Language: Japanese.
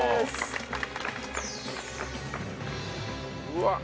うわっ。